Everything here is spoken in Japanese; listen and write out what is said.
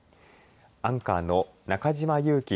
アンカーの中島佑気